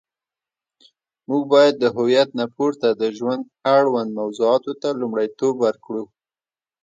موږ باید د هویت نه پورته د ژوند اړوند موضوعاتو ته لومړیتوب ورکړو.